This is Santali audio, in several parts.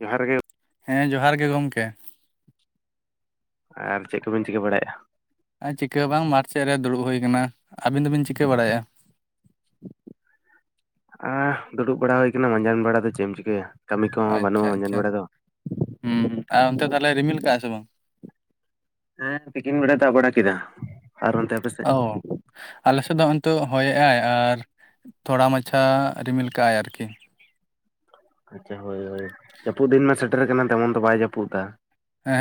ᱡᱚᱦᱟᱨ ᱜᱮ ᱦᱮᱸ ᱡᱚᱦᱟᱨ ᱜᱮ ᱜᱚᱢᱠᱮ ᱟᱨ ᱪᱮᱫ ᱠᱚᱵᱮᱱ ᱪᱤᱠᱟᱹ ᱵᱟᱲᱟᱭᱮᱜᱼᱟ ᱟᱨ ᱪᱤᱠᱟᱹ ᱦᱚ ᱵᱟᱝ ᱢᱟᱴ ᱥᱮᱫ ᱨᱮ ᱫᱩᱲᱩᱵ ᱦᱩᱭ ᱠᱟᱱᱟ ᱟᱹᱵᱤᱱ ᱫᱚᱵᱤᱱ ᱪᱤᱠᱟᱹ ᱵᱟᱲᱟᱭᱮᱜᱼᱟ ᱟᱻ ᱫᱩᱲᱩᱵ ᱵᱟᱲᱟ ᱦᱩᱭ ᱠᱟᱱᱟ ᱢᱟᱡᱟᱱ ᱵᱮᱲᱟ ᱫᱚ ᱪᱮᱫ ᱮᱢ ᱪᱤᱠᱟᱹᱭᱟ ᱠᱟᱹᱢᱤ ᱠᱚᱦᱚᱸ ᱟᱪᱪᱷᱟ ᱵᱟᱹᱱᱩᱜᱼᱟ ᱢᱟᱸᱡᱟᱱ ᱟᱪᱪᱷᱟ ᱵᱮᱲᱟ ᱫᱚ ᱦᱩᱸ ᱟᱨ ᱚᱱᱛᱮ ᱛᱟᱦᱚᱞᱮ ᱨᱤᱢᱤᱞ ᱠᱟᱜᱼᱟ ᱥᱮ ᱵᱟᱝ ᱦᱮᱸ ᱛᱤᱠᱤᱱ ᱵᱮᱲᱟ ᱫᱟᱜ ᱵᱟᱲᱟ ᱠᱮᱫᱟ ᱟᱨ ᱚᱱᱛᱮ ᱟᱯᱮ ᱥᱮᱫ ᱚ ᱟᱞᱮ ᱥᱮᱫ ᱫᱚ ᱦᱤᱛᱳᱜ ᱦᱚᱭᱮᱜᱼᱟᱭ ᱟᱨ ᱛᱷᱚᱲᱟ ᱢᱟᱪᱷᱟ ᱨᱤᱢᱤᱞ ᱠᱟᱜᱼᱟᱭ ᱟᱨᱠᱤ ᱟᱪᱪᱷᱟ ᱦᱳᱭ ᱦᱳᱭ ᱡᱟᱹᱯᱩᱫ ᱫᱤᱱ ᱢᱮ ᱥᱮᱴᱮᱨ ᱠᱟᱱᱟ ᱛᱮᱢᱚᱱ ᱫᱚ ᱵᱟᱭ ᱡᱟᱹᱯᱩᱫ ᱫᱟ ᱦᱮᱸ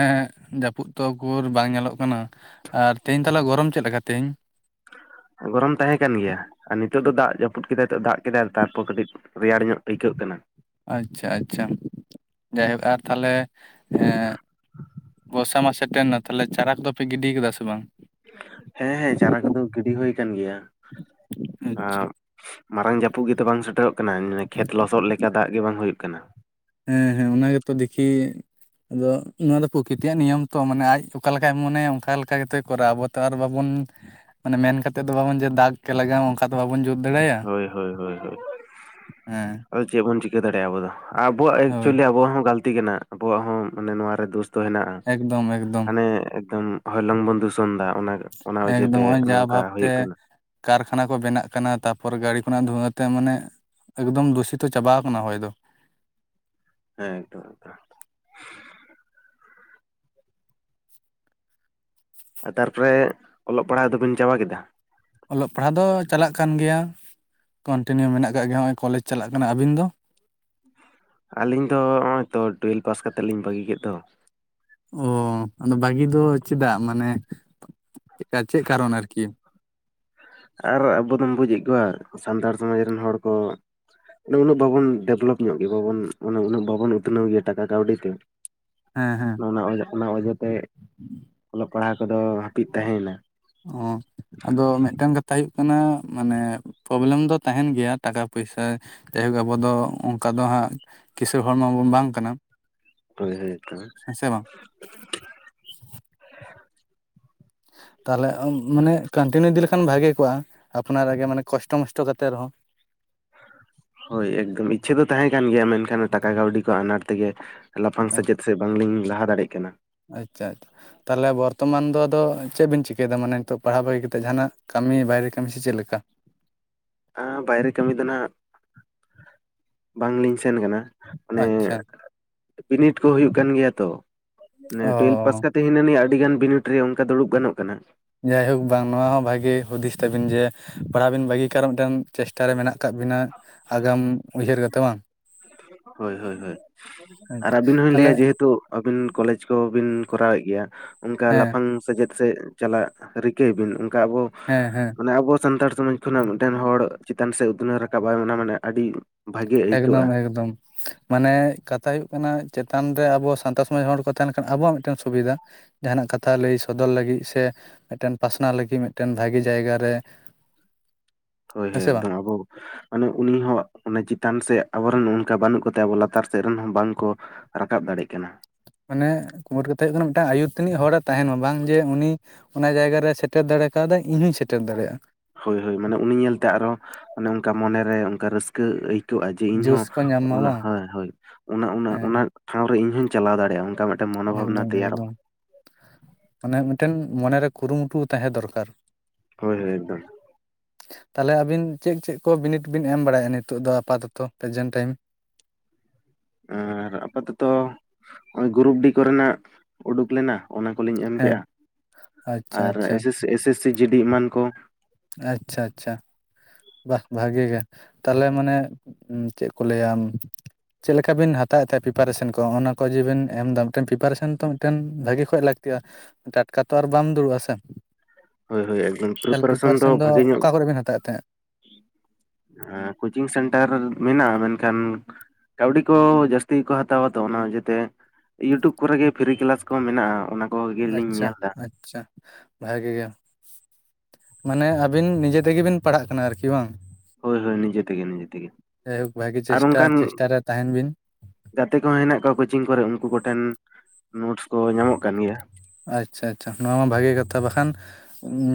ᱦᱮᱸ ᱡᱟᱹᱯᱩᱫ ᱛᱚ ᱩᱠᱩᱨ ᱵᱟᱝ ᱧᱮᱞᱚᱜ ᱠᱟᱱᱟ ᱟᱨ ᱛᱮᱦᱮᱧ ᱛᱟᱦᱚᱞᱮ ᱜᱚᱨᱚᱢ ᱪᱮᱫ ᱞᱮᱠᱟ ᱛᱮᱦᱮᱧ ᱜᱚᱨᱚᱢ ᱛᱟᱦᱮᱸ ᱠᱟᱱ ᱜᱮᱭᱟ ᱟᱨ ᱱᱤᱛᱚᱜ ᱫᱚ ᱫᱟᱜ ᱡᱟᱹᱯᱩᱫ ᱠᱮᱫᱟᱭ ᱫᱟᱜ ᱠᱮᱫᱟᱭ ᱛᱟᱨᱯᱚᱨ ᱠᱟᱹᱴᱤᱡ ᱨᱮᱭᱟᱲ ᱧᱚᱜ ᱟᱹᱭᱠᱟᱹᱜ ᱠᱟᱱᱟ᱾ ᱟᱪᱪᱷᱟ ᱟᱪᱪᱷᱟ ᱡᱟᱭᱦᱳᱠ ᱟᱨ ᱛᱟᱦᱚᱞᱮ ᱵᱚᱨᱥᱟ ᱢᱟ ᱥᱮᱴᱮᱨ ᱮᱱᱟ ᱛᱟᱦᱚᱞᱮ ᱪᱟᱨᱟ ᱠᱚᱫᱚᱯᱮ ᱜᱤᱰᱤ ᱠᱟᱫᱟ ᱥᱮ ᱵᱟᱝ ᱦᱮᱸ ᱦᱮᱸ ᱪᱟᱨᱟ ᱠᱚᱫᱚ ᱜᱤᱰᱤ ᱦᱩᱭ ᱠᱟᱱ ᱜᱮᱭᱟ ᱟᱪᱪᱷᱟ ᱟᱨ ᱢᱟᱨᱟᱝ ᱡᱟᱹᱯᱩᱫ ᱜᱮᱛᱚ ᱵᱟᱝ ᱥᱮᱴᱮᱨᱚᱜ ᱠᱟᱱᱟ ᱠᱷᱮᱛ ᱞᱚᱥᱚᱫ ᱞᱮᱠᱟ ᱫᱟᱜ ᱜᱮ ᱵᱟᱝ ᱦᱩᱭᱩᱜ ᱠᱟᱱᱟ ᱦᱮᱸ ᱦᱮᱸ ᱚᱱᱟ ᱜᱮᱛᱚ ᱫᱮᱠᱷᱤ ᱟᱫᱚ ᱱᱚᱣᱟ ᱫᱚ ᱯᱨᱚᱠᱤᱛᱤᱭᱟᱜ ᱱᱤᱭᱚᱢ ᱛᱚ ᱢᱟᱱᱮ ᱟᱡ ᱚᱠᱟ ᱞᱮᱠᱟᱭ ᱢᱚᱱᱮᱭᱟ ᱚᱱᱠᱟ ᱞᱮᱠᱟ ᱜᱮᱛᱚᱭ ᱠᱚᱨᱟᱣᱟ ᱟᱵᱚ ᱟᱨ ᱵᱟᱵᱚᱱ ᱢᱟᱱᱮ ᱢᱮᱱ ᱠᱟᱛᱮᱫ ᱫᱚ ᱵᱟᱵᱚᱱ ᱡᱮ ᱫᱟᱜ ᱜᱮ ᱞᱟᱜᱟᱣ ᱚᱠᱟ ᱫᱚ ᱵᱟᱵᱚᱱ ᱡᱳᱨ ᱫᱟᱲᱮᱟᱭᱟ ᱦᱳᱭ ᱦᱳᱭ ᱦᱳᱭ ᱦᱳᱭ ᱦᱮᱸ᱾ ᱟᱫᱚ ᱪᱮᱫ ᱵᱚᱱ ᱪᱤᱠᱟᱹ ᱫᱟᱲᱮᱭᱟᱜᱼᱟ ᱟᱵᱚ ᱫᱚ ᱟᱵᱚᱣᱟᱜ ᱦᱳᱭ ᱮᱠᱪᱩᱭᱮᱞᱤ ᱟᱵᱚᱣᱟᱜ ᱦᱚᱸ ᱜᱟᱹᱞᱛᱤ ᱠᱟᱱᱟ, ᱟᱵᱚᱣᱟᱜ ᱦᱚᱸ ᱱᱚᱣᱟ ᱨᱮ ᱫᱳᱥ ᱫᱚ ᱦᱮᱱᱟᱜᱼᱟ, ᱮᱠᱫᱚᱢ ᱮᱠᱫᱚᱢ ᱦᱟᱱᱮ ᱮᱠᱫᱚᱢ ᱦᱚᱭᱞᱚᱝ ᱵᱚᱱ ᱫᱩᱥᱚᱱ ᱫᱟ ᱚᱱᱟ ᱚᱱᱟ ᱮᱠᱫᱚᱢ ᱚᱡᱮᱛᱮ ᱱᱚᱜᱼᱚᱭ ᱡᱟ ᱱᱚᱝᱠᱟ ᱵᱷᱟᱵᱛᱮ ᱦᱩᱭᱩᱜ ᱠᱟᱱᱟ᱾ ᱠᱟᱨᱠᱷᱟᱱᱟ ᱠᱚ ᱵᱮᱱᱟᱜ ᱠᱟᱱᱟ ᱛᱟᱨᱯᱚᱨ ᱜᱟᱹᱲᱤ ᱠᱷᱚᱱᱟᱜ ᱫᱷᱩᱣᱟᱹ ᱛᱮ ᱢᱟᱱᱮ ᱮᱠᱫᱚᱢ ᱫᱩᱥᱤᱛᱚ ᱪᱟᱵᱟᱣ ᱠᱟᱱᱟ ᱦᱚᱭ ᱫᱚ᱾ ᱦᱮᱸ ᱮᱠᱫᱚᱢ ᱮᱠᱫᱚᱢ᱾ ᱛᱟᱨᱯᱚᱨᱮ ᱚᱞᱚᱜ ᱯᱟᱲᱦᱟᱜ ᱫᱚᱵᱤᱱ ᱪᱟᱵᱟ ᱠᱮᱫᱟ? ᱚᱞᱚᱜ ᱯᱟᱲᱦᱟᱜ ᱫᱚ ᱪᱟᱞᱟᱜ ᱠᱟᱱ ᱜᱮᱭᱟ, ᱠᱚᱱᱴᱤᱱᱤᱭᱩ ᱢᱮᱱᱟᱜ ᱟᱠᱟᱫ ᱜᱮᱭᱟ ᱱᱚᱜᱼᱚᱭ ᱠᱚᱞᱮᱡᱽ ᱪᱟᱞᱟᱜ ᱠᱟᱱᱟ ᱟᱹᱵᱤᱱ ᱫᱚ? ᱟᱹᱞᱤᱧ ᱫᱚ ᱱᱚᱜᱼᱚᱭ ᱛᱚ ᱴᱩᱭᱮᱞᱵᱷ ᱯᱟᱥ ᱠᱟᱛᱮᱫ ᱞᱤᱧ ᱵᱟᱹᱜᱤ ᱠᱮᱫ ᱫᱚ᱾ ᱚᱻ ᱟᱫᱚ ᱵᱷᱟᱹᱜᱤ ᱫᱚ ᱪᱮᱫᱟᱜ ᱢᱟᱱᱮ ᱪᱮᱫ ᱠᱟᱨᱚᱱ ᱟᱨᱠᱤ? ᱟᱨ ᱟᱵᱚ ᱫᱚᱢ ᱵᱩᱡᱮᱜ ᱠᱚᱣᱟ ᱥᱟᱱᱛᱟᱲ ᱥᱚᱢᱟᱡᱽ ᱨᱮᱱ ᱦᱚᱲ ᱠᱚ ᱩᱱᱟᱹᱜ ᱵᱟᱵᱚᱱ ᱰᱮᱵᱷᱞᱚᱯ ᱧᱚᱜ ᱜᱮᱭᱟ, ᱵᱟᱵᱚᱱ ᱩᱱᱟᱹᱜ ᱵᱟᱵᱚᱱ ᱩᱛᱱᱟᱹᱣ ᱜᱮᱭᱟ ᱴᱟᱠᱟ ᱠᱟᱹᱣᱰᱤ ᱛᱮ᱾ ᱦᱮᱸ ᱦᱮᱸ᱾ ᱚᱱᱟ ᱚᱡᱮᱛᱮ ᱚᱞᱚᱜ ᱯᱟᱲᱦᱟᱣ ᱠᱚᱫᱚ ᱦᱟᱹᱯᱤᱫ ᱛᱟᱦᱮ ᱱᱟ᱾ ᱚᱻ ᱟᱫᱚ ᱢᱤᱫ ᱴᱟᱝ ᱠᱟᱛᱷᱟ ᱦᱩᱭᱩᱜ ᱠᱟᱱᱟ, ᱢᱟᱱᱮ ᱯᱚᱵᱞᱮᱢ ᱫᱚ ᱛᱟᱦᱮᱱ ᱜᱮᱭᱟ ᱴᱟᱠᱟ ᱯᱚᱭᱥᱟ ᱡᱟᱭᱦᱳᱠ ᱟᱵᱚ ᱫᱚ ᱚᱱᱠᱟ ᱫᱚ ᱦᱟᱸᱜ ᱠᱤᱥᱟᱹᱲ ᱦᱚᱲ ᱢᱟ ᱵᱚᱱ ᱵᱟᱝ ᱠᱟᱱᱟ᱾ ᱦᱳᱭ ᱦᱳᱭ ᱮᱠᱫᱚᱢ᱾ ᱦᱮᱸ ᱥᱮ ᱵᱟᱝ ᱛᱟᱞᱦᱮ ᱢᱟᱱᱮ ᱠᱟᱱᱴᱤᱱᱤᱭᱩ ᱤᱫᱤ ᱞᱮᱠᱷᱟᱱ ᱵᱷᱟᱜᱮ ᱠᱚᱜᱼᱟ, ᱟᱯᱱᱟᱨᱟ ᱜᱮ ᱢᱟᱱᱮ ᱠᱚᱥᱴᱚ ᱢᱚᱥᱴᱚ ᱠᱟᱛᱮ ᱨᱮᱦᱚᱸ᱾ ᱦᱳᱭ ᱮᱠᱫᱚᱢ ᱤᱪᱪᱷᱟᱹ ᱫᱚ ᱛᱟᱦᱮᱸ ᱠᱟᱱ ᱜᱮᱭᱟ, ᱢᱮᱱᱠᱷᱟᱱ ᱴᱟᱠᱟ ᱠᱟᱹᱣᱰᱤ ᱠᱚ ᱟᱱᱟᱴ ᱛᱮᱜᱮ ᱞᱟᱯᱷᱟᱝ ᱥᱮᱪᱮᱫ ᱥᱮᱫ ᱵᱟᱝ ᱞᱤᱧ ᱞᱟᱦᱟ ᱫᱟᱲᱮ ᱠᱟᱱᱟ᱾ ᱟᱪᱪᱷᱟ ᱟᱪᱪᱷᱟ ᱛᱟᱦᱚᱞᱮ ᱵᱚᱨᱛᱚᱢᱟᱱ ᱫᱚ ᱟᱫᱚ ᱪᱮᱫ ᱵᱤᱱ ᱪᱤᱠᱟᱹᱭᱮᱫᱟ ᱢᱟᱱᱮ ᱱᱤᱛᱚᱜ ᱯᱟᱲᱦᱟᱣ ᱵᱟᱹᱜᱤ ᱠᱟᱛᱮᱫ, ᱡᱟᱦᱟᱱᱟᱜ ᱠᱟᱹᱢᱤ ᱵᱟᱭᱨᱮ ᱠᱟᱹᱢᱤ ᱥᱮ ᱪᱮᱫ ᱞᱮᱠᱟ? ᱟᱸ ᱵᱟᱭᱨᱮ ᱠᱟᱹᱢᱤ ᱫᱚ ᱱᱟᱜ ᱵᱟᱝ ᱞᱤᱧ ᱥᱮᱱ ᱠᱟᱱᱟ᱾ ᱟᱱᱮ ᱟᱪᱪᱷᱟ ᱵᱤᱱᱤᱰ ᱠᱚ ᱦᱩᱭᱩᱜ ᱠᱟᱱ ᱜᱮᱭᱟ ᱛᱚ ᱴᱩᱭᱮᱞᱵᱷ ᱯᱟᱥ ᱚ ᱠᱟᱛ ᱦᱤᱱᱟᱹ ᱱᱤᱭᱟᱹ ᱟᱹᱰᱤ ᱜᱟᱱ ᱵᱤᱱᱤᱰ ᱨᱮ ᱚᱱᱠᱟ ᱫᱩᱲᱩᱵ ᱜᱟᱱᱚᱜ ᱠᱟᱱᱟ᱾ ᱡᱟᱭᱦᱳᱠ ᱵᱟᱝ ᱱᱚᱣᱟ ᱦᱚᱸ ᱵᱷᱟᱜᱤ ᱦᱩᱫᱤᱥ ᱛᱟᱵᱤᱱ ᱡᱮ ᱯᱟᱲᱦᱟᱣ ᱵᱤᱱ ᱵᱟᱹᱜᱤ ᱠᱟᱜ ᱨᱮ ᱦᱚ ᱢᱤᱫ ᱴᱟᱝ ᱪᱮᱥᱴᱟᱨᱮ ᱢᱮᱱᱟᱜ ᱟᱠᱟᱫ ᱵᱤᱱᱟ ᱟᱜᱟᱢ ᱩᱭᱦᱟᱹᱨ ᱠᱟᱛᱮ ᱵᱟᱝ? ᱦᱳᱭ ᱦᱳᱭ ᱦᱳᱭ ᱟᱨ ᱟᱪᱪᱷᱟ ᱟᱹᱵᱤᱱ ᱦᱚᱧ ᱛᱟᱦᱚᱞᱮ ᱞᱟᱹᱭ-ᱟ ᱡᱮᱦᱮᱛᱩ ᱟᱹᱵᱤᱱ ᱠᱚᱞᱮᱡᱽ ᱠᱚᱵᱤᱱ ᱠᱚᱨᱟᱣ ᱮᱫ ᱜᱮᱭᱟ ᱚᱱᱠᱟ ᱦᱮᱸ ᱞᱟᱯᱷᱟᱝ ᱥᱮᱪᱮᱫ ᱥᱮ ᱪᱟᱞᱟᱜ ᱨᱤᱠᱟᱹᱭ ᱵᱤᱱ, ᱚᱱᱠᱟ ᱟᱵᱚ ᱦᱮᱸ ᱦᱮᱸ᱾ ᱢᱟᱱᱮ ᱟᱵᱚ ᱥᱟᱱᱛᱟᱲ ᱥᱚᱢᱟᱡᱽ ᱠᱷᱚᱱᱟᱜ ᱢᱤᱫ ᱴᱮᱱ ᱦᱚᱲ ᱪᱮᱛᱟᱱ ᱥᱮᱫ ᱩᱛᱱᱟᱹᱣ ᱨᱟᱠᱟᱵ ᱟᱭ ᱢᱟᱱᱮ ᱟᱹᱰᱤ ᱵᱷᱟᱜᱮ ᱟᱹᱭᱠᱟᱹᱜᱼᱟ ᱮᱠᱫᱚᱢ ᱮᱠᱫᱚᱢ᱾ ᱢᱟᱱᱮ ᱠᱟᱛᱷᱟ ᱦᱩᱭᱩᱜ ᱠᱟᱱᱟ ᱪᱮᱛᱟᱱ ᱨᱮ ᱟᱵᱚ ᱥᱟᱱᱛᱟᱲ ᱥᱚᱢᱟᱡᱽ ᱦᱚᱲ ᱠᱚ ᱛᱟᱦᱮᱱ ᱠᱷᱟᱱ ᱟᱵᱚᱣᱟᱜ ᱢᱤᱫ ᱴᱮᱱ ᱥᱩᱵᱤᱫᱷᱟ᱾ ᱡᱟᱦᱟᱱᱟᱜ ᱠᱟᱛᱷᱟ ᱞᱟᱹᱭ ᱥᱚᱫᱚᱨ ᱞᱟᱹᱜᱤᱫ ᱥᱮ ᱢᱤᱫ ᱴᱮᱱ ᱯᱟᱥᱱᱟᱣ ᱞᱟᱹᱜᱤᱫ ᱢᱤᱫ ᱴᱮᱱ ᱵᱷᱟᱜᱮ ᱡᱟᱭᱜᱟ ᱨᱮ ᱦᱳᱭ ᱦᱮᱸ ᱦᱳᱭ ᱥᱮ ᱵᱟᱝ ᱮᱠᱫᱚᱢ ᱟᱵᱚ ᱢᱟᱱᱮ ᱩᱱᱤ ᱦᱚᱸ ᱪᱮᱛᱟᱱ ᱥᱮᱫ ᱟᱵᱚᱨᱮᱱ ᱚᱱᱠᱟ ᱵᱟᱹᱱᱩᱜ ᱠᱚᱛᱮ ᱟᱵᱚ ᱞᱟᱛᱟᱨ ᱥᱮᱫ ᱨᱮᱱ ᱦᱚᱸ ᱵᱟᱝ ᱠᱚ ᱨᱟᱠᱟᱵ ᱫᱟᱲᱮᱜ ᱠᱟᱱᱟ᱾ ᱢᱟᱱᱮ ᱢᱩᱴ ᱠᱟᱛᱮ ᱦᱩᱭᱩᱜ ᱠᱟᱱᱟ ᱢᱤᱫ ᱴᱟᱝ ᱟᱭᱩᱨ ᱛᱟᱹᱱᱤᱡ ᱦᱚᱲᱮ ᱛᱟᱦᱮᱱ ᱢᱟ᱾ ᱵᱟᱝ ᱡᱮ ᱩᱱᱤ ᱚᱱᱟ ᱡᱟᱭᱜᱟ ᱨᱮ ᱥᱮᱴᱮᱨ ᱫᱟᱲᱮ ᱠᱟᱣᱫᱟᱭ ᱤᱧ ᱦᱚᱧ ᱥᱮᱴᱮᱨ ᱫᱟᱲᱮᱭᱟᱜᱼᱟ᱾ ᱦᱳᱭ ᱦᱳᱭ ᱢᱟᱱᱮ ᱩᱱᱤ ᱧᱮᱞ ᱛᱮ ᱟᱨ ᱦᱚᱸ ᱚᱱᱠᱟ ᱢᱚᱱᱮ ᱨᱮ ᱚᱱᱠᱟ ᱨᱟᱹᱥᱠᱟᱹ ᱟᱹᱭ [unintelligible] ᱡᱮ ᱤᱧ ᱡᱳᱥ ᱦᱚᱸ ᱠᱚ ᱧᱟᱢ ᱢᱟ ᱚᱱᱟ ᱵᱟᱝ ᱦᱳᱭ ᱦᱳᱭ ᱚᱱᱟ ᱦᱮᱸ ᱚᱱᱟ ᱴᱷᱟᱶ ᱨᱮ ᱤᱧ ᱦᱚᱧ ᱪᱟᱞᱟᱣ ᱫᱟᱲᱮᱭᱟᱜᱼᱟ ᱚᱱᱠᱟ ᱢᱚᱱᱳᱵᱷᱟᱵᱽᱱᱟ ᱮᱠᱫᱚᱢ ᱛᱮᱭᱟᱨᱚᱜᱼᱟ ᱮᱠᱫᱚᱢ᱾ ᱢᱟᱱᱮ ᱢᱤᱫ ᱴᱮᱱ ᱢᱚᱱᱮ ᱨᱮ ᱠᱩᱨᱩ ᱢᱩᱴᱩ ᱛᱟᱦᱮᱸ ᱫᱚᱨᱠᱟᱨ᱾ ᱦᱳᱭ ᱦᱳᱭ ᱮᱠᱫᱚᱢ᱾ ᱛᱟᱦᱞᱮ ᱟᱹᱵᱤᱱ ᱪᱮᱫ ᱪᱮᱫ ᱠᱚ ᱵᱤᱱᱤᱰ ᱵᱤᱱ ᱮᱢ ᱵᱟᱲᱟᱭ ᱮᱜᱟ ᱱᱤᱛᱚᱜ ᱫᱚ ᱟᱯᱟᱛᱚᱛᱚ ᱯᱨᱮᱡᱮᱱᱴ ᱴᱟᱭᱤᱢ? ᱟᱨ ᱟᱯᱟᱛᱚᱛᱚ ᱱᱚᱜᱼᱚᱭ ᱜᱨᱩᱯ ᱰᱤ ᱠᱚᱨᱮᱱᱟᱜ ᱩᱰᱩᱠ ᱞᱮᱱᱟ᱾ ᱚᱱᱟ ᱠᱚ ᱞᱤᱧ ᱮᱢ ᱦᱮᱸ ᱠᱮᱜᱼᱟ ᱟᱪᱪᱷᱟ ᱟᱨ ᱟᱪᱪᱷᱟ ᱮᱥᱮᱥ ᱮᱥᱮᱥ ᱥᱤ ᱡᱤ ᱰᱤ ᱮᱢᱟᱱ ᱠᱚ ᱟᱪᱪᱷᱟ ᱟᱪᱪᱷᱟ ᱵᱟᱦ ᱵᱷᱟᱹᱜᱮ ᱜᱮ ᱛᱟᱦᱞᱮ ᱢᱟᱱᱮ ᱪᱮᱫ ᱠᱚ ᱞᱟᱹᱭᱼᱟ ᱪᱮᱫ ᱞᱮᱠᱟ ᱵᱤᱱ ᱦᱟᱛᱟᱣ ᱮᱫ ᱛᱟᱦᱮᱸᱫ ᱯᱤᱯᱟᱨᱮᱥᱮᱱ ᱠᱚ ᱚᱱᱟ ᱠᱚ ᱡᱮ ᱵᱤᱱ ᱮᱢ ᱫᱟ ᱢᱤᱫ ᱴᱮᱱ ᱯᱤᱯᱟᱨᱮᱥᱮᱱ ᱛᱚ ᱢᱤᱫ ᱴᱮᱱ ᱵᱷᱟᱹᱜᱮ ᱠᱷᱚᱡ ᱞᱟᱹᱠᱛᱤᱜᱼᱟ ᱴᱟᱴᱠᱟ ᱛᱚ ᱟᱨ ᱵᱟᱢ ᱫᱩᱲᱩᱵᱼᱟ ᱥᱮ ᱦᱳᱭ ᱦᱳᱭ ᱮᱫᱚᱢ [unintelligible] ᱯᱤᱯᱟᱨᱮᱥᱮᱱ ᱫᱚ ᱚᱠᱟ ᱠᱚᱨᱮ ᱵᱮᱱ ᱦᱟᱛᱟᱣᱮᱫ ᱛᱟᱦᱮ ᱫᱟ ᱠᱳᱪᱤᱝ ᱥᱮᱱᱴᱟᱨ ᱢᱮᱱᱟᱜᱼᱟ ᱢᱮᱱᱠᱷᱟᱱ ᱠᱟᱹᱣᱰᱤ ᱠᱚ ᱡᱟᱹᱥᱛᱤ ᱠᱚ ᱦᱟᱛᱟᱣᱟ ᱛᱚ ᱚᱱᱟ ᱚᱡᱛᱮ ᱤᱭᱩᱴᱩᱵᱽ ᱠᱚᱨᱮ ᱜᱮ ᱯᱷᱤᱨᱤ ᱠᱮᱞᱟᱥ ᱠᱚ ᱢᱮᱱᱟᱜᱼᱟ ᱠᱚᱜᱮᱞᱤᱧ ᱟᱪᱪᱷᱟ ᱧᱮᱞ ᱮᱫᱟ ᱟᱪᱪᱷᱟ ᱵᱷᱟᱜᱮ ᱜᱮ ᱢᱟᱱᱮ ᱟᱹᱵᱤᱱ ᱱᱤᱡᱮ ᱛᱮᱜᱮ ᱵᱤᱱ ᱯᱟᱲᱦᱟᱜ ᱠᱟᱱᱟ ᱟᱨᱠᱤ ᱵᱟᱝ ᱦᱳᱭ ᱦᱳᱭ ᱱᱤᱡᱮ ᱛᱮᱜᱮ ᱱᱤᱡᱮ ᱛᱮᱜᱮ ᱡᱟᱭᱦᱳᱠ ᱵᱷᱟᱜᱤ ᱟᱨ ᱪᱮᱥᱴᱟ ᱚᱱᱠᱟᱱ ᱪᱮᱥᱴᱟ ᱨᱮ ᱛᱟᱦᱮᱱ ᱵᱤᱱ ᱜᱟᱛᱮ ᱠᱚᱦᱚᱸ ᱦᱮᱱᱟᱜ ᱠᱚᱣᱟ ᱠᱳᱪᱤᱝ ᱠᱚᱨᱮ ᱩᱱᱠᱩ ᱠᱚ ᱴᱷᱮᱱ ᱱᱳᱴᱥ ᱠᱚ ᱧᱟᱢᱚᱜ ᱠᱟᱱ ᱜᱮᱭᱟ ᱟᱪᱪᱷᱟ ᱟᱪᱪᱷᱟ ᱱᱚᱣᱟ ᱢᱟ ᱵᱷᱟᱜᱮ ᱠᱟᱛᱷᱟ ᱵᱟᱠᱷᱟᱱ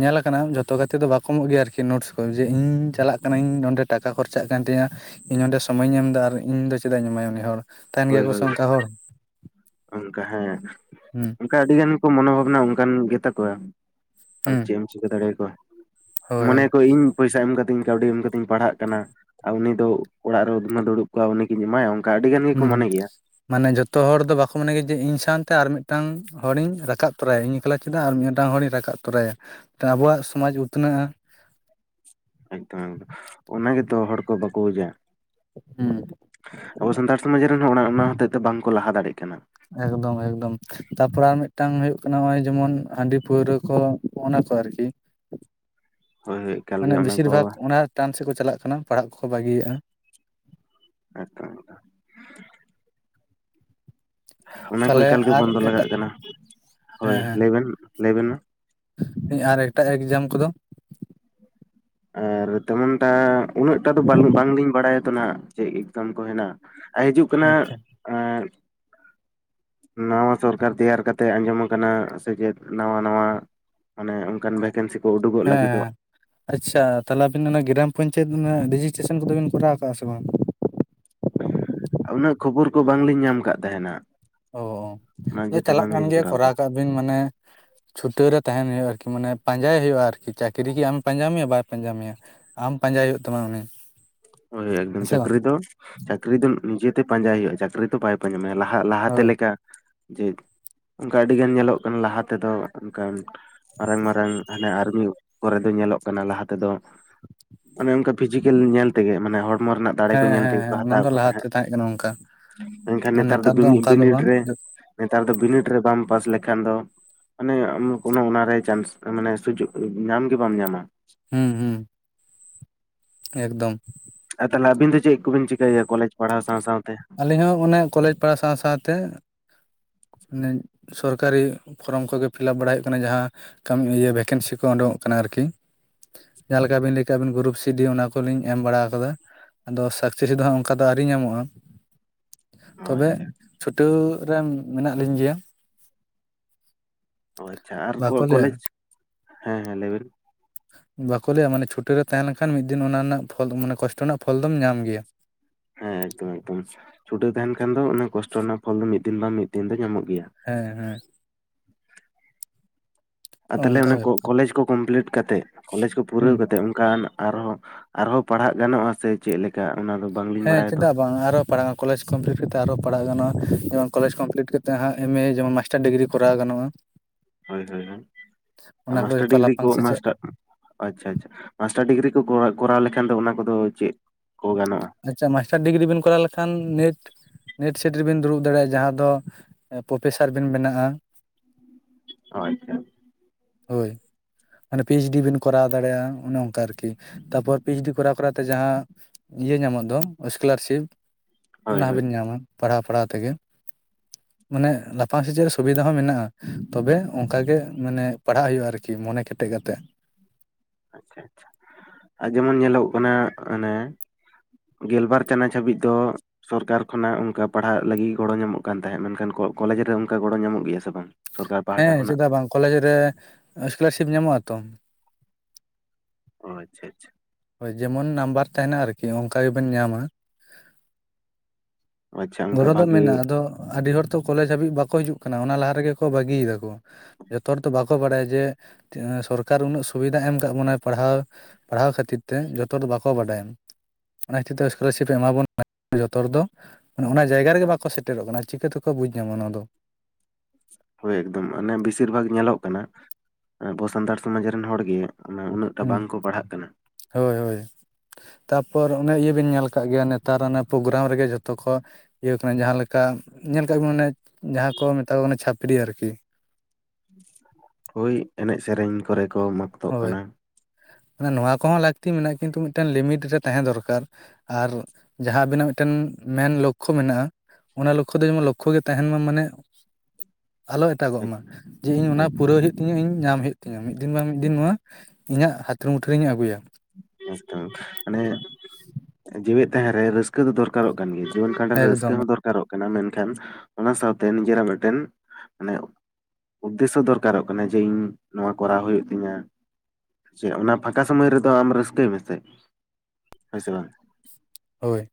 ᱧᱮᱞ ᱟᱠᱟᱱᱟ ᱡᱷᱚᱛᱚ ᱜᱟᱛᱮ ᱫᱚ ᱵᱟᱠᱚ ᱮᱢᱚᱜ ᱜᱮᱭᱟ ᱟᱨᱠᱤ ᱱᱳᱴᱥ ᱠᱚ ᱡᱮ ᱤᱧ ᱪᱟᱞᱟᱜ ᱠᱟᱱᱟᱹᱧ ᱱᱚᱰᱮ ᱴᱟᱠᱟ ᱠᱷᱚᱨᱪᱟᱜ ᱠᱟᱱ ᱛᱤᱧᱟᱹ ᱤᱧ ᱚᱸᱰᱮ ᱥᱚᱢᱚᱭ ᱤᱧ ᱮᱢ ᱫᱟ ᱟᱨ ᱤᱧ ᱫᱚ ᱪᱮᱫᱟᱜ ᱤᱧ ᱮᱢᱟᱭᱟ ᱩᱱᱤ ᱦᱚᱲ ᱛᱟᱦᱮᱱ ᱜᱮᱭᱟ ᱦᱳᱭ ᱠᱚ ᱦᱳᱭ [unintelligible] ᱚᱝᱠᱟ ᱦᱚᱲ ᱚᱱᱠᱟ ᱦᱮᱸ ᱦᱮᱸ [unintelligible] ᱟᱹᱰᱤ ᱜᱟᱱ ᱠᱚ ᱢᱚᱱᱚ ᱵᱷᱟᱵᱱᱟ ᱚᱱᱠᱟᱱ ᱜᱮᱛᱟ ᱠᱚᱣᱟ ᱟᱫᱚ ᱦᱩᱸ ᱪᱮᱫ ᱮᱢ ᱪᱤᱠᱟᱹ ᱫᱟᱲᱮ ᱟᱠᱚᱣᱟ ᱦᱳᱭ ᱢᱚᱱᱮ ᱦᱳᱭ ᱠᱚ ᱤᱧ ᱯᱚᱭᱥᱟ ᱮᱢ ᱠᱟᱛᱤᱧ ᱠᱟᱹᱣᱰᱤ ᱮᱢ ᱠᱟᱛᱤᱧ ᱯᱟᱲᱦᱟᱜ ᱠᱟᱱᱟ ᱟᱨ ᱩᱱᱤ ᱫᱚ ᱚᱲᱟᱜ ᱨᱮ ᱩᱫᱢᱟᱹ ᱫᱩᱲᱩᱵ ᱠᱚᱼᱟ ᱩᱱᱤ ᱠᱤᱧ ᱮᱢᱟᱭ-ᱟ ᱟᱹᱰᱤ ᱜᱟᱱ ᱜᱮᱠᱚ ᱢᱚᱱᱮ ᱜᱮᱭᱟ [unintelligible] ᱢᱟᱱᱮ ᱡᱚᱛᱚ ᱦᱚᱲ ᱫᱚ ᱵᱟᱠᱚ ᱢᱚᱱᱮ ᱜᱮ ᱡᱮ ᱤᱧ ᱥᱟᱶᱛᱮ ᱟᱨ ᱢᱤᱫᱴᱟᱝ ᱦᱚᱲ ᱤᱧ ᱨᱟᱠᱟᱵ ᱛᱚᱨᱟ ᱭᱟ ᱤᱧ ᱮᱠᱞᱟ ᱪᱮᱫ ᱟᱜ ᱟᱨ ᱢᱤᱫ ᱴᱟᱝ ᱦᱚᱲᱤᱧ ᱨᱟᱠᱟᱵ ᱛᱚᱨᱟᱭᱟ ᱟᱵᱚᱣᱟᱜ ᱥᱚᱢᱟᱡᱽ ᱩᱛᱱᱟᱹᱜᱼᱟ ᱮᱠᱫᱚᱢ ᱮᱠᱫᱚᱢ ᱚᱱᱟ ᱜᱮᱛᱚ ᱦᱚᱲ ᱠᱚ ᱵᱟᱠᱚ ᱵᱩᱡᱟ [unintelligible] ᱟᱵᱚ ᱥᱟᱱᱛᱟᱲ ᱥᱚᱢᱟᱡᱽ ᱨᱮᱱ [unintelligible] ᱚᱱᱟ ᱦᱚᱛᱮᱡ ᱛᱮ ᱵᱟᱝ ᱠᱚ ᱞᱟᱦᱟ ᱫᱟᱲᱮᱜ ᱠᱟᱱᱟ ᱮᱠᱫᱚᱢ ᱮᱠᱫᱚᱢ ᱛᱟᱯᱚᱨ ᱟᱨ ᱢᱤᱫ ᱴᱟᱝ ᱦᱳᱭᱳᱜ ᱠᱟᱱᱟ ᱱᱚᱜᱼᱚᱭ ᱡᱮᱢᱚᱱ ᱦᱟᱹᱰᱤ ᱯᱟᱹᱣᱨᱟᱹ ᱠᱚ [unintelligible] ᱠᱚ ᱟᱨᱠᱤ ᱦᱳᱭ ᱦᱳᱭ ᱮᱠᱟᱞ ᱜᱮ ᱢᱟᱱᱮ ᱚᱱᱟ ᱵᱮᱥᱤᱨ ᱠᱚ ᱵᱷᱟᱜᱽ [unintelligible] ᱥᱮᱫ ᱠᱚ ᱪᱟᱞᱟᱜ ᱠᱟᱱᱟ ᱯᱟᱲᱦᱟᱜ ᱠᱚᱠᱚ ᱵᱟᱹᱜᱤᱭᱮᱜᱼᱟ [unintelligible] ᱚᱱᱟ ᱠᱚ ᱛᱟᱦᱚᱞᱮ ᱮᱠᱟᱞ ᱜᱮ ᱟᱨ ᱵᱚᱱᱫᱚ ᱞᱟᱜᱟᱜ ᱮᱴᱟᱜ ᱠᱟᱱᱟ ᱦᱳᱭ ᱦᱮᱸ ᱞᱟᱹᱭ ᱵᱮᱱ ᱞᱟᱹᱭ ᱵᱮᱱ ᱢᱟ ᱟᱨ ᱮᱴᱟᱜ ᱮᱠᱡᱟᱢ ᱠᱚᱫᱚ ᱟᱨ ᱛᱮᱢᱚᱱ ᱴᱟ ᱩᱱᱟᱹᱜ ᱴᱟ ᱫᱚ ᱵᱟᱝ ᱞᱤᱧ ᱵᱟᱲᱟᱭᱟ ᱛᱚ ᱱᱟᱜ ᱪᱮᱫ ᱮᱠᱡᱟᱢ ᱠᱚ ᱦᱮᱱᱟᱜ ᱦᱤᱡᱩᱜ ᱠᱟᱱᱟ ᱟᱪᱪᱷᱟ ᱱᱟᱣᱟ ᱥᱚᱨᱠᱟᱨ ᱛᱮᱭᱟᱨ ᱠᱟᱛᱮᱫ ᱟᱸᱡᱚᱢ ᱟᱠᱟᱱᱟ ᱥᱮ ᱪᱮᱫ ᱱᱟᱣᱟ ᱱᱟᱶᱟ ᱢᱟᱱᱮ ᱚᱱᱠᱟᱱ ᱵᱷᱮᱠᱮᱱᱥᱤ ᱠᱚ ᱩᱰᱩᱠ ᱚᱜ ᱞᱟᱹᱜᱤ ᱫᱚᱜ ᱦᱮᱸ ᱟᱪᱪᱷᱟ ᱛᱟᱦᱞᱮ ᱟᱵᱤᱱ ᱚᱱᱟ ᱜᱨᱟᱢ ᱯᱚᱧᱪᱟᱭᱮᱛ ᱨᱮᱡᱤᱥᱴᱨᱮᱥᱚᱱ ᱠᱚᱫᱚ ᱵᱤᱱ ᱠᱚᱨᱟᱣ ᱠᱟᱜᱼᱟ ᱥᱮ ᱵᱟᱝ ᱩᱱᱟᱹᱜ ᱠᱷᱚᱵᱚᱨ ᱠᱚ ᱵᱟᱝ ᱞᱤᱧ ᱧᱟᱢ ᱠᱟᱜ ᱛᱟᱦᱮᱱᱟ ᱚ ᱚᱱᱟ ᱚ ᱤᱭᱟᱹᱛᱮ ᱪᱟᱞᱟᱜ ᱠᱟᱱ ᱵᱟᱝᱞᱤᱧ ᱜᱮᱭᱟ ᱠᱚᱨᱟᱣ ᱮᱫᱟ ᱠᱟᱜ ᱵᱤᱱ ᱢᱟᱱᱮ ᱪᱷᱩᱴᱟᱹᱣ ᱨᱮ ᱛᱟᱦᱮᱱ ᱦᱳᱭᱳᱜᱼᱟ ᱟᱨᱠᱤ ᱢᱟᱱᱮ ᱯᱟᱸᱡᱟᱭ ᱦᱳᱭᱳᱜᱼᱟ ᱟᱨᱠᱤ ᱪᱟᱹᱠᱨᱤ ᱠᱤ ᱟᱢ ᱮ ᱯᱟᱸᱡᱟ ᱢᱮᱭᱟ ᱵᱟᱭ ᱯᱟᱸᱡᱟ ᱢᱮᱭᱟ ᱟᱢ ᱯᱟᱸᱡᱟᱭ ᱦᱳᱭᱳᱜ ᱛᱟᱢᱟ ᱩᱱᱤ ᱦᱳᱭ ᱦᱳᱭ ᱮᱠᱫᱚᱢ ᱦᱮᱸᱥᱮ ᱵᱟᱝ ᱪᱟᱹᱠᱨᱤ ᱫᱚ ᱪᱟᱹᱠᱨᱤ ᱫᱚ ᱱᱤᱡᱮ ᱛᱮ ᱯᱟᱸᱡᱟᱭ ᱦᱳᱭᱳᱜᱼᱟ ᱪᱟᱹᱠᱨᱤ ᱫᱚ ᱵᱟᱭ [unintelligible] ᱞᱟᱦᱟ ᱞᱟᱦᱟ ᱛᱮ ᱦᱳᱭ ᱞᱮᱠᱟ ᱡᱮ ᱚᱱᱠᱟ ᱟᱹᱰᱤ ᱜᱟᱱ ᱧᱮᱞᱚᱜ ᱠᱟᱱᱟ ᱞᱟᱦᱟ ᱛᱮᱫᱚ ᱚᱱᱠᱟᱱ ᱢᱟᱨᱟᱝ ᱢᱟᱨᱟᱝ ᱦᱟᱱᱮ ᱟᱨᱢᱤ ᱠᱚᱨᱮ ᱫᱚ ᱧᱮᱞᱚᱜ ᱠᱟᱱᱟ ᱞᱟᱦᱟ ᱛᱮᱫᱚ᱾ ᱚᱱᱮ ᱚᱱᱠᱟ ᱯᱷᱤᱡᱤᱠᱮᱞ ᱧᱮᱞ ᱛᱮᱜᱮ ᱢᱟᱱᱮ ᱦᱚᱲᱢᱚ ᱨᱮᱱᱟᱜ ᱫᱟᱲᱮ ᱠᱚ ᱦᱮᱸ ᱧᱮᱞ ᱦᱮᱸ ᱛᱮᱜᱮ ᱠᱚ ᱦᱮᱸ ᱚᱱᱟ ᱦᱟᱛᱟᱣ ᱫᱚ ᱮᱫ ᱠᱚ ᱞᱟᱦᱟᱛᱮ ᱛᱟᱦᱮᱸᱫ᱾ ᱛᱟᱦᱮᱸ ᱠᱟᱱᱟ ᱚᱱᱠᱟ ᱢᱮᱱᱠᱷᱟᱱ ᱟᱨ ᱱᱮᱛᱟᱨ ᱫᱚ ᱵᱤᱱᱤ ᱚᱱᱠᱟ ᱫᱚ ᱵᱤᱱᱤᱰ ᱵᱟᱝ ᱨᱮ ᱱᱮᱛᱟᱨ ᱫᱚ ᱵᱤᱱᱤᱰ ᱨᱮ ᱵᱟᱢ ᱯᱟᱥ ᱞᱮᱠᱷᱟᱱ ᱫᱚ ᱢᱟᱱᱮ ᱟᱢ ᱠᱳᱱᱳ ᱚᱱᱟᱨᱮ ᱪᱟᱱᱥ ᱢᱟᱱᱮ ᱥᱩᱡᱳᱜ ᱧᱟᱢ ᱜᱮ ᱵᱟᱢ ᱧᱟᱢᱟ ᱦᱩᱸ ᱦᱩᱸ ᱮᱠᱫᱚᱢ ᱟᱨ ᱛᱟᱦᱚᱞᱮ ᱟᱹᱵᱤᱱ ᱫᱚ ᱪᱮᱫ ᱠᱚ ᱵᱤᱱ ᱪᱤᱠᱟᱹᱭ ᱮᱜᱟ ᱠᱚᱞᱮᱡᱽ ᱯᱟᱲᱦᱟᱣ ᱥᱟᱶ ᱥᱟᱶ ᱛᱮ ᱟᱹᱞᱤᱧ ᱦᱚᱸ ᱚᱱᱮ ᱠᱚᱞᱮᱡᱽ ᱯᱟᱲᱦᱟᱣ ᱥᱟᱶ ᱥᱟᱶ ᱛᱮ ᱥᱚᱨᱠᱟᱨᱤ ᱯᱷᱨᱚᱢ ᱠᱚᱜᱮ ᱯᱷᱤᱞᱟᱯ ᱵᱟᱲᱟᱭ ᱦᱳᱭᱳᱜ ᱠᱟᱱᱟ ᱡᱟᱸᱦᱟ [unintelligible] ᱵᱷᱮᱠᱮᱱᱥᱤ ᱠᱚ ᱩᱰᱩᱠ ᱚᱜ ᱠᱟᱱᱟ ᱟᱨᱠᱤ ᱡᱟᱸᱦᱟ ᱞᱮᱠᱟ ᱵᱤᱱ ᱞᱟᱹᱭ ᱠᱮᱜᱟ ᱟᱵᱤᱱ ᱜᱨᱩᱯ ᱥᱤ ᱰᱤ ᱚᱱᱟ ᱠᱚ ᱞᱤᱧ ᱮᱢ ᱵᱟᱲᱟ ᱟᱠᱟᱫᱟ᱾ ᱟᱫᱚ ᱥᱟᱠᱥᱮᱥ ᱫᱚ ᱦᱟᱸᱜ ᱚᱱᱠᱟ ᱫᱚ ᱟᱹᱣᱨᱤ ᱧᱟᱢᱚᱜᱼᱟ᱾ ᱚ ᱛᱚᱵᱮ ᱟᱪᱪᱷᱟ ᱪᱷᱩᱴᱟᱹᱣ ᱨᱮ ᱢᱮᱱᱟᱜ ᱞᱤᱧ ᱜᱮᱭᱟ᱾ ᱚ ᱟᱪᱪᱷᱟ ᱟᱨ ᱵᱟᱠᱚ ᱞᱟᱹᱭᱟ ᱠᱚᱞᱮᱡᱽ ᱦᱮᱸ ᱦᱮᱸ ᱞᱟᱹᱭ ᱵᱮᱱ ᱵᱟᱠᱚ ᱞᱟᱹᱭ-ᱟ ᱢᱟᱱᱮ ᱪᱷᱩᱴᱟᱣ ᱨᱮ ᱛᱟᱦᱮᱸ ᱞᱮᱱ ᱠᱷᱟᱱ ᱢᱤᱫ ᱫᱤᱱ ᱚᱱᱟ ᱨᱮᱱᱟᱜ ᱯᱷᱚᱞ ᱢᱟᱱᱮ ᱠᱚᱥᱴᱚ ᱨᱮᱱᱟᱜ ᱯᱷᱚᱞ ᱫᱚᱢ ᱧᱟᱢ ᱜᱮᱭᱟ᱾ ᱦᱮᱸ ᱮᱠᱫᱚᱢ ᱮᱠᱫᱚᱢ ᱪᱷᱩᱴᱟᱹᱣ ᱛᱟᱦᱮᱱ ᱠᱷᱟᱱ ᱫᱚ ᱚᱱᱮ ᱠᱚᱥᱴᱚ ᱨᱮᱱᱟᱜ ᱯᱷᱚᱞ ᱫᱚ ᱢᱤᱫ ᱫᱤᱱ ᱵᱟᱝ ᱢᱤᱫ ᱫᱤᱱ ᱫᱚ ᱧᱟᱢᱚᱜ ᱜᱮᱭᱟ ᱾ ᱦᱮᱸ ᱦᱮᱸ ᱾ ᱟᱨ ᱛᱟᱦᱚᱞᱮ ᱚᱱᱠᱟ ᱚᱱᱟ ᱠᱚᱞᱮᱡᱽ ᱠᱚ ᱠᱚᱢᱯᱞᱤᱤᱴ ᱠᱟᱛᱮᱫ ᱠᱚᱞᱮᱡᱽ ᱠᱚ ᱦᱩᱸ ᱯᱩᱨᱟᱹᱣ ᱠᱟᱛᱮᱫ ᱚᱱᱠᱟᱱ ᱟᱨᱦᱚᱸᱼᱼ ᱟᱨᱦᱚᱸ ᱯᱟᱲᱦᱟᱜ ᱜᱟᱱᱚᱜᱼᱟ ᱥᱮ ᱪᱮᱫ ᱞᱮᱠᱟ ᱚᱱᱟ ᱫᱚ ᱵᱟᱝᱞᱤᱧ ᱦᱮᱸ ᱵᱟᱲᱟᱭᱟ ᱛᱚ ᱪᱮᱫᱟᱜ ᱾ ᱵᱟᱝ ᱟᱨᱚ ᱯᱟᱲᱦᱟᱣ ᱠᱚᱞᱮᱡᱽ ᱠᱚᱢᱯᱞᱤᱴ ᱠᱟᱛᱮ ᱟᱨᱚ ᱯᱟᱲᱦᱟᱜ ᱜᱟᱱᱚᱜᱼᱟ᱾ ᱡᱮᱢᱚᱱ ᱠᱚᱞᱮᱡᱽ ᱠᱚᱢᱯᱞᱤᱴ ᱠᱟᱛᱮ ᱦᱟᱸᱜ ᱮᱢ ᱮ ᱡᱮᱢᱚᱱ ᱢᱟᱥᱴᱟᱨ ᱰᱤᱜᱽᱨᱤ ᱠᱚᱨᱟᱣ ᱜᱟᱱᱚᱜᱼᱟ᱾ ᱦᱳᱭ ᱦᱳᱭ ᱦᱳᱭ ᱚᱱᱟ ᱠᱚ ᱢᱟᱥᱴᱟᱨ ᱡᱚᱛᱚ ᱰᱤᱜᱽᱨᱤ ᱠᱚ ᱞᱟᱯᱷᱟᱝ ᱥᱮᱪᱮᱫ ᱢᱟᱥᱴᱟᱨ ᱟᱪᱪᱷᱟ ᱟᱪᱪᱷᱟ᱾ ᱢᱟᱥᱴᱟᱨ ᱰᱤᱜᱽᱨᱤ ᱠᱚ ᱠᱚᱨᱟᱣ ᱞᱮᱠᱷᱟᱱ ᱫᱚ ᱚᱱᱟ ᱠᱚᱫᱚ ᱪᱮᱫ ᱠᱚ ᱜᱟᱱᱚᱜᱼᱟ? ᱟᱪᱪᱷᱟ ᱢᱟᱥᱴᱟᱨ ᱰᱤᱜᱽᱨᱤ ᱵᱤᱱ ᱠᱚᱨᱟᱣ ᱞᱮᱠᱷᱟᱱ ᱱᱮᱴ ᱱᱮᱴ ᱥᱮᱴ ᱨᱮᱵᱤᱱ ᱫᱩᱲᱩᱵ ᱫᱟᱲᱮᱭᱟᱜᱼᱟ ᱡᱟᱦᱟᱸ ᱫᱚ ᱯᱨᱚᱯᱷᱮᱥᱟᱨ ᱵᱤᱱ ᱵᱮᱱᱟᱜᱼᱟ ᱾ ᱚ ᱟᱪᱪᱷᱟ ᱦᱳᱭ ᱢᱟᱱᱮ ᱯᱤ ᱮᱭᱤᱪ ᱰᱤ ᱵᱤᱱ ᱠᱚᱨᱟᱣ ᱫᱟᱲᱮᱭᱟᱜᱼᱟ᱾ ᱚᱱᱮ ᱚᱱᱠᱟ ᱟᱨᱠᱤ ᱛᱟᱨᱯᱚᱨ ᱯᱤ ᱮᱭᱤᱪ ᱰᱤ ᱠᱚᱨᱟᱣ ᱠᱚᱨᱟᱣᱛᱮ ᱡᱟᱦᱟᱸ ᱤᱭᱟᱹ ᱧᱟᱢᱚᱜ ᱫᱚ ᱥᱠᱚᱞᱟᱨᱥᱤᱯ ᱦᱳᱭ ᱚᱱᱟ ᱦᱚᱸ ᱦᱳᱭ ᱵᱤᱱ ᱧᱟᱢᱟ ᱯᱟᱲᱦᱟᱣ ᱯᱟᱲᱦᱟᱣ ᱛᱮᱜᱮ᱾ [inaudible] ᱢᱟᱱᱮ ᱞᱟᱯᱷᱟᱝ ᱥᱮᱪᱮᱫ ᱨᱮ ᱥᱩᱵᱤᱫᱟ ᱦᱚᱸ ᱢᱮᱱᱟᱜᱼᱟ ᱛᱚᱵᱮ ᱚᱱᱠᱟ ᱜᱮ ᱢᱟᱱᱮ ᱯᱟᱲᱦᱟᱜ ᱦᱩᱭᱩᱜᱼᱟ ᱟᱨᱠᱤ ᱢᱚᱱᱮ ᱠᱮᱴᱮᱡ ᱠᱟᱛᱮᱜ ᱾ ᱟᱪᱪᱷᱟ ᱟᱪᱪᱷᱟ ᱟᱨ ᱡᱮᱢᱚᱱ ᱧᱮᱞᱚᱜ ᱠᱟᱱᱟ ᱚᱱᱮ ᱜᱮᱞᱵᱟᱨ ᱪᱟᱱᱟᱪ ᱦᱟᱹᱵᱤᱡ ᱫᱚ ᱥᱚᱨᱠᱟᱨ ᱠᱷᱚᱱᱟᱜ ᱚᱱᱠᱟ ᱯᱟᱲᱦᱟᱜ ᱞᱟᱹᱜᱤᱫ ᱜᱚᱲᱚ ᱧᱟᱢᱚᱜ ᱠᱟᱱ ᱛᱟᱦᱮᱸᱫ᱾ᱢᱮᱱᱠᱷᱟᱱ ᱠᱚᱞᱮᱡᱽ ᱨᱮ ᱚᱱᱠᱟ ᱜᱚᱲᱚ ᱧᱟᱢᱚᱜ ᱜᱮᱭᱟ ᱥᱮ ᱵᱟᱝ? ᱥᱚᱨᱠᱟᱨ ᱯᱟᱦᱴᱟ ᱦᱮᱸ ᱠᱷᱚᱱᱟᱜ ᱪᱮᱫᱟᱜ ᱵᱟᱝ ᱠᱚᱞᱮᱡᱽ ᱨᱮ ᱥᱠᱚᱞᱟᱨᱥᱤᱯ ᱧᱟᱢᱚᱜᱼᱟ ᱛᱚ ᱾ ᱚ ᱟᱪᱪᱷᱟ ᱟᱪᱷᱟ ᱾ ᱦᱳᱭ ᱡᱮᱢᱚᱱ ᱱᱟᱢᱵᱟᱨ ᱛᱟᱦᱮᱱᱟ ᱟᱨᱠᱤ ᱚᱱᱠᱟ ᱜᱮᱵᱮᱱ ᱧᱟᱢᱟ ᱾ ᱟᱪᱪᱷᱟ ᱚᱱᱠᱟ ᱜᱚᱲᱚ ᱫᱚ ᱵᱷᱟᱜᱮ ᱢᱮᱱᱟᱜᱼᱟ ᱟᱫᱚ ᱟᱹᱰᱤ ᱦᱚᱲ ᱛᱚ ᱠᱚᱞᱮᱡᱽ ᱦᱟᱹᱵᱤᱡ ᱵᱟᱠᱚ ᱦᱤᱡᱩᱜ ᱠᱟᱱᱟ ᱚᱱᱟ ᱞᱟᱦᱟ ᱨᱮᱜᱮ ᱠᱚ ᱵᱟᱹᱜᱤᱭ ᱫᱟᱠᱚ ᱾ ᱡᱚᱛᱚ ᱦᱚᱲ ᱫᱚ ᱵᱟᱠᱚ ᱵᱟᱲᱟᱭᱟ ᱡᱮ ᱥᱚᱨᱠᱟᱨ ᱩᱱᱟᱹᱜ ᱥᱩᱵᱤᱫᱷᱟ ᱮᱢ ᱠᱟᱜ ᱵᱚᱱᱟᱭ ᱯᱟᱲᱦᱟᱣ ᱯᱟᱲᱦᱟᱣ ᱠᱷᱟᱹᱛᱤᱨ ᱛᱮ ᱡᱚᱛᱚ ᱦᱚᱲ ᱵᱟᱠᱚ ᱵᱟᱰᱟᱭᱟ ᱾ ᱚᱱᱟ ᱠᱷᱟᱛᱤᱨ ᱛᱮ ᱥᱠᱚᱞᱟᱨᱥᱤᱯ ᱮᱢᱟ ᱵᱚᱱ [unintelligible] ᱡᱚᱛᱚ ᱦᱚᱲ ᱫᱚ ᱢᱟᱱᱮ ᱚᱱᱟ ᱡᱟᱭᱜᱟ ᱨᱮᱜᱮ ᱵᱟᱠᱚ ᱥᱮᱴᱮᱨᱚᱜ ᱠᱟᱱᱟ ᱪᱤᱠᱟᱹ ᱛᱮᱠᱚ ᱵᱩᱡᱽ ᱧᱟᱢᱟ ᱱᱚᱣᱟ ᱫᱚ᱾ ᱦᱳᱭ ᱮᱠᱫᱚᱢ ᱚᱱᱮ ᱵᱮᱥᱤᱨ ᱵᱷᱟᱜᱽ ᱧᱮᱞᱚᱜ ᱠᱟᱱᱟ ᱟᱵᱚ ᱥᱟᱱᱛᱟᱲ ᱥᱚᱢᱟᱡᱽ ᱨᱮᱱ ᱦᱚᱲ ᱜᱮ ᱚᱱᱮ ᱩᱱᱟᱹᱜ ᱴᱟ ᱦᱩᱸ ᱵᱟᱝᱠᱚ ᱯᱟᱲᱦᱟᱜ ᱠᱟᱱᱟ ᱾ ᱦᱳᱭ ᱦᱳᱭ ᱾ ᱛᱟᱨᱯᱚᱨ ᱚᱱᱮ ᱤᱭᱟᱹ ᱵᱤᱱ ᱧᱮᱞ ᱠᱟᱜ ᱜᱮᱭᱟ ᱱᱮᱛᱟᱨ ᱚᱱᱟ ᱯᱨᱳᱜᱨᱟᱢ ᱨᱮᱜᱮ ᱡᱷᱚᱛᱚ ᱠᱚ ᱤᱭᱟᱹ ᱠᱟᱱᱟ ᱡᱟᱦᱟᱸ ᱞᱮᱠᱟ ᱧᱮᱞ ᱠᱟᱜ ᱵᱤᱱ ᱢᱟᱱᱮ ᱡᱟᱦᱟᱸ ᱠᱚ ᱢᱮᱛᱟ ᱠᱚ ᱠᱟᱱᱟ ᱪᱷᱟᱹᱯᱨᱤ ᱟᱨᱠᱤ ᱾ ᱦᱳᱭ ᱮᱱᱮᱡ ᱥᱮᱨᱮᱧ ᱠᱚᱨᱮ ᱠᱚ ᱦᱳᱭ ᱠᱟᱱᱟ ᱱᱚᱣᱟ ᱠᱚᱦᱚᱸ ᱞᱟᱹᱠᱛᱤ ᱢᱮᱱᱟᱜᱼᱟ ᱠᱤᱱᱛᱩ ᱢᱤᱫᱴᱮᱱ ᱞᱤᱢᱤᱴ ᱨᱮ ᱛᱟᱦᱮᱸ ᱫᱚᱨᱠᱟᱨ᱾ ᱟᱨ ᱡᱟᱦᱟᱸ ᱟᱹᱵᱤᱱᱟᱜ ᱢᱤᱫᱴᱮᱱ ᱢᱮᱱ ᱞᱚᱠᱠᱷᱚ ᱢᱮᱱᱟᱜᱼᱟ᱾ ᱚᱱᱟ ᱞᱚᱠᱠᱷᱚ ᱫᱚ ᱡᱮᱢᱚᱱ ᱞᱚᱠᱠᱷᱚ ᱜᱮ ᱛᱟᱦᱮᱱ ᱢᱟ ᱢᱟᱱᱮ ᱟᱞᱚ ᱮᱴᱟᱜᱚᱜ ᱢᱟ ᱮᱠᱫᱚᱢ ᱡᱮ ᱤᱧ ᱚᱱᱟ ᱯᱩᱨᱟᱹᱣ ᱦᱩᱭᱩᱜ ᱛᱤᱧᱟᱹ ᱤᱧ ᱧᱟᱢ ᱦᱩᱭᱩᱜ ᱛᱤᱧᱟᱹ ᱢᱤᱫ ᱫᱤᱱ ᱵᱟᱝᱼᱼ ᱢᱤᱫ ᱫᱤᱱ ᱱᱚᱣᱟ ᱤᱧᱟᱹᱜ ᱦᱟᱛᱮᱨ ᱢᱩᱴᱷᱟᱹᱨᱤᱧ ᱟᱹᱜᱩᱭᱟ ᱾ ᱢᱟᱱᱮ ᱡᱤᱣᱮᱫ ᱛᱟᱦᱮᱸ ᱨᱮ ᱼᱼ ᱠᱟᱹ ᱫᱚ ᱫᱚᱨᱠᱟᱨᱚᱜ ᱠᱟᱱ ᱜᱮᱭᱟ ᱡᱤᱭᱚᱱ ᱠᱷᱟᱰᱟᱣ ᱨᱮ ᱨᱟᱹᱥᱠᱟᱹ ᱮᱠᱫᱚᱢ ᱦᱚᱸ ᱠᱟᱱᱟ ᱢᱮᱱᱠᱷᱟᱱ ᱚᱱᱟ ᱥᱟᱶᱛᱮ ᱱᱤᱡᱮᱨᱟᱜ ᱢᱤᱫᱴᱮᱱ ᱢᱟᱱᱮᱼᱼ ᱩᱫᱽᱫᱮᱥᱚ ᱫᱚᱨᱠᱟᱨᱚᱜ ᱠᱟᱱᱟ ᱡᱮ ᱤᱧ ᱱᱚᱣᱟ ᱠᱚᱨᱟᱣ ᱦᱩᱭᱩᱜ ᱛᱤᱧᱟ ᱾ ᱡᱮ ᱚᱱᱟ ᱯᱷᱟᱸᱠᱟ ᱥᱚᱢᱚᱭ ᱨᱮᱫᱚ ᱟᱢ ᱨᱟᱹᱥᱠᱟᱹᱭ ᱢᱮᱥᱮ, ᱦᱳᱭ ᱥᱮ ᱵᱟᱝ? ᱦᱳᱭ ᱾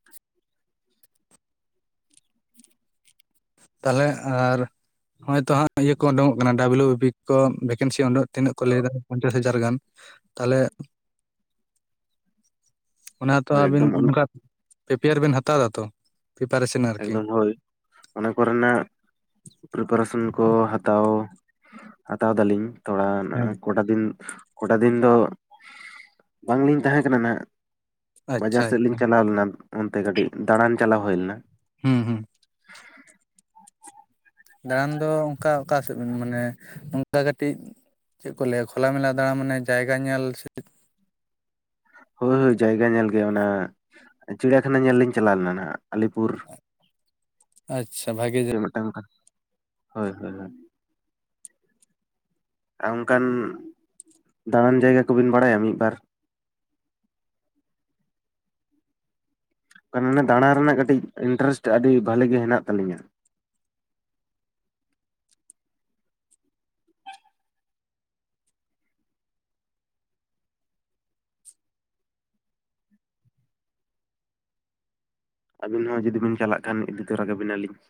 ᱛᱟᱦᱚᱞᱮ ᱟᱨ ᱱᱚᱜᱼᱚᱭ ᱛᱚ ᱦᱟᱸᱜ ᱤᱭᱟᱹ ᱠᱚ ᱩᱰᱩᱠᱚᱜ ᱠᱟᱱᱟ ᱰᱟᱵᱞᱩ ᱵᱤ ᱯᱤ ᱠᱚ ᱵᱷᱮᱠᱮᱱᱥᱤ ᱩᱰᱩᱠᱼᱼ ᱛᱤᱱᱟᱹᱜ ᱠᱚ ᱞᱟᱹᱭᱮᱫᱟ ᱯᱚᱧᱪᱟᱥ ᱦᱟᱡᱟᱨ ᱜᱟᱱ ᱛᱟᱦᱚᱞᱮᱼᱼ ᱚᱱᱟᱛᱚ ᱦᱳᱭ ᱟᱵᱤᱱ ᱮᱠᱫᱚᱢ ᱚᱱᱟ ᱚᱱᱠᱟ ᱯᱨᱤᱯᱮᱭᱟᱨ ᱵᱮᱱ ᱦᱟᱛᱟᱣ ᱮᱫᱟ ᱛᱚ ᱯᱤᱯᱟᱨᱮᱥᱚᱱᱼᱼ ᱮᱠᱫᱚᱢ ᱦᱳᱭ ᱾ ᱚᱱᱟ ᱠᱚᱨᱮᱱᱟᱜ ᱯᱨᱤᱯᱟᱨᱮᱥᱚᱱ ᱠᱚ ᱦᱟᱛᱟᱣ ᱦᱟᱛᱟᱣ ᱫᱟᱞᱤᱧ ᱾ ᱛᱷᱚᱲᱟ ᱦᱮᱸ ᱠᱚᱴᱟ ᱫᱤᱱ ᱠᱚᱴᱟ ᱫᱤᱱ ᱫᱚ ᱵᱟᱝᱞᱤᱧ ᱛᱟᱦᱮᱸ ᱠᱟᱱᱟ ᱱᱟᱦᱟᱜ ᱾ ᱵᱟᱡᱟᱨ ᱟᱪᱪᱷᱟ ᱥᱮᱫ ᱞᱤᱧ ᱟᱪᱪᱷᱟ ᱪᱟᱞᱟᱣ ᱞᱮᱱᱟ ᱚᱱᱛᱮ ᱠᱟᱹᱴᱤᱡ ᱫᱟᱬᱟᱱ ᱪᱟᱞᱟᱣ ᱦᱩᱭ ᱞᱮᱱᱟ ᱾ ᱦᱩᱸ ᱦᱩᱸ ᱫᱟᱬᱟᱱ ᱫᱚ ᱚᱱᱠᱟ ᱚᱠᱟ ᱥᱮᱫ ᱵᱮᱱ ᱢᱟᱱᱮ ᱚᱱᱠᱟ ᱠᱟᱹᱴᱤᱡ ᱪᱮᱫ ᱠᱚ ᱞᱟᱹᱭᱟ ᱠᱷᱚᱞᱟ ᱢᱮᱞᱟ ᱫᱟᱬᱟ ᱢᱟᱱᱮ ᱡᱟᱭᱜᱟ ᱧᱮᱞ ᱦᱳᱭ ᱦᱳᱭ ᱡᱟᱭᱜᱟ ᱧᱮᱞ ᱜᱮ ᱚᱱᱟ ᱪᱤᱲᱤᱭᱟᱠᱷᱟᱱᱟ ᱧᱮᱞ ᱞᱤᱧ ᱪᱟᱞᱟᱣ ᱞᱮᱱᱟ ᱱᱟ ᱟᱞᱤᱯᱩᱨ ᱾ ᱟᱪᱪᱷᱟ ᱵᱷᱟᱜᱮ ᱡ ᱢᱤᱫᱴᱟᱝ ᱠᱟ ᱦᱳᱭ ᱦᱳᱭ ᱦᱳᱭ ᱟᱨ ᱚᱱᱠᱟᱱ ᱫᱟᱬᱟᱱ ᱡᱟᱭᱜᱟ ᱠᱚᱵᱤᱱ ᱵᱟᱲᱟᱭᱟ ᱢᱤᱫᱵᱟᱨ? ᱚᱱᱟ ᱫᱟᱬᱟ ᱨᱮᱱᱟᱜ ᱠᱟᱹᱴᱤᱡ ᱤᱱᱴᱟᱨᱮᱥᱴ ᱟᱹᱰᱤ ᱵᱷᱟᱹᱞᱤ ᱜᱮ ᱦᱮᱱᱟᱜ ᱛᱟᱹᱟᱞᱤᱧᱟ ᱾ ᱟᱹᱵᱤᱱ ᱦᱚᱸ ᱡᱩᱫᱤ ᱵᱤᱱ ᱪᱟᱞᱟᱜ ᱠᱷᱟᱱ ᱤᱫᱤ ᱛᱚᱨᱟ ᱠᱟᱵᱤᱱᱟᱞᱤᱧ ᱾